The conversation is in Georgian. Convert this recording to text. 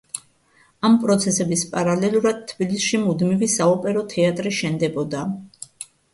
ამ პროცესების პარალელურად თბილისში მუდმივი საოპერო თეატრი შენდებოდა.